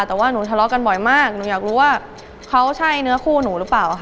แต่ว่าหนูทะเลาะกันบ่อยมากหนูอยากรู้ว่าเขาใช่เนื้อคู่หนูหรือเปล่าค่ะ